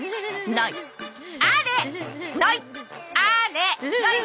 あれ！